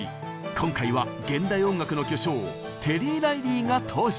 今回は現代音楽の巨匠テリー・ライリーが登場。